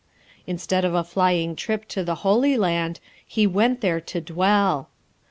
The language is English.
Instead of a flying trip to the "Holy Land," he went there to dwell.